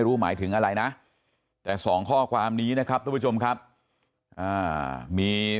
หมายถึงอะไรนะแต่สองข้อความนี้นะครับทุกผู้ชมครับมี